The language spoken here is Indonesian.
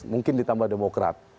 mungkin ditambah demokrat